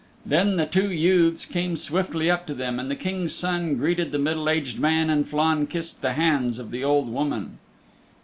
Then the two youths came swiftly up to them, and the King's Son greeted the middle aged man, and Flann kissed the hands of the old woman.